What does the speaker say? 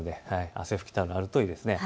汗拭きタオルあるといいですね。